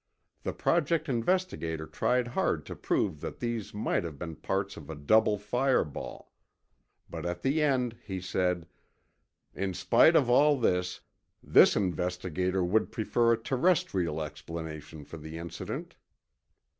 The Project investigator tried hard to prove that these might have been parts of a double fireball. But at the end, he said, "In spite of all this, this investigator would prefer a terrestrial explanation for the incident."